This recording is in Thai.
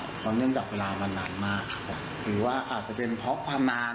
เพราะเนื่องจากเวลามันนานมากครับผมหรือว่าอาจจะเป็นเพราะความนาน